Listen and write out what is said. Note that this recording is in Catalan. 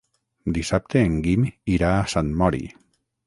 Dissabte en Guim irà a Sant Mori.